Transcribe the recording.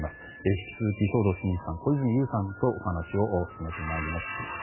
引き続き、兵頭慎治さん小泉悠さんとお話を進めてまいります。